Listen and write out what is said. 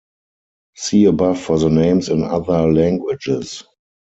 See above for the names in other languages.